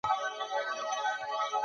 په سياست کي نړيوال سازمانونه رول لري.